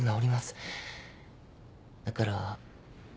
だから。